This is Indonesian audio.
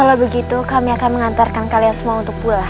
kalau begitu kami akan mengantarkan kalian semua untuk pulang